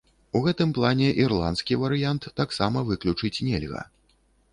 У гэтым плане ірландскі варыянт таксама выключыць нельга.